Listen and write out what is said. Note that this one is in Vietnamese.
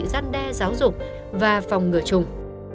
giăn đe giáo dục và phòng ngừa trùng